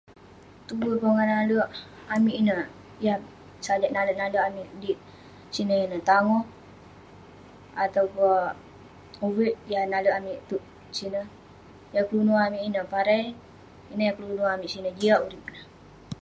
tuvu yah pongah nalek amik ineh, yah sajak nalek nalek amik dik sineh ineh, tangoh, atau peh uviek yah nalek amik sineh..yah keluno amik ineh parai, ineh yah keluno amik sineh, jiak urip